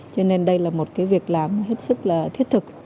cho nên đây là một cái việc làm hết sức là thiết thực